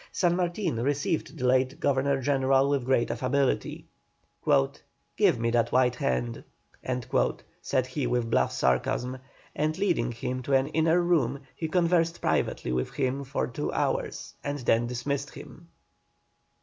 San Martin received the late Governor General with great affability. "Give me that white hand," said he, with bluff sarcasm; and, leading him to an inner room, he conversed privately with him for two hours, and then dismissed him.